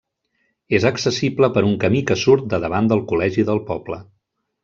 És accessible per un camí que surt de davant del col·legi del poble.